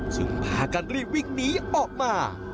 จึงพากันรีบวิ่งหนีออกมา